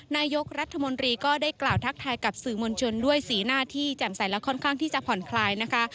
นายกรัฐมนตรีก็ได้กล่าวทักทายกับสื่อมวลชนด้วยสีหน้าที่แจ่มใสและค่อนข้างที่จะผ่อนคลายนะคะ